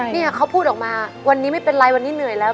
เนี่ยเขาพูดออกมาวันนี้ไม่เป็นไรวันนี้เหนื่อยแล้ว